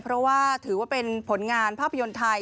เพราะว่าถือว่าเป็นผลงานภาพยนตร์ไทย